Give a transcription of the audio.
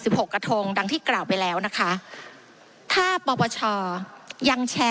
สิบหกกระทงดังที่กราวไปแล้วนะคะถ้าปปชอย่างแช